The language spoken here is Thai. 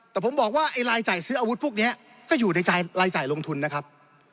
แต่ผมบอกว่าไอ้รายจ่ายซื้ออาวุธพวกนี้ก็อยู่ในรายจ่ายลงทุนนะครับ